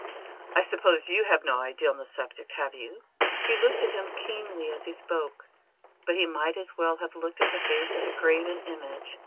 I suppose you have no idea on the subject, have you?" He looked at him keenly as he spoke, but he might as well have looked at the face of a graven image.